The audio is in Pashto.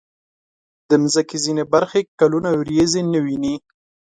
د مځکې ځینې برخې کلونه وریځې نه ویني.